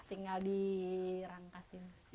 tinggal di rangkas ini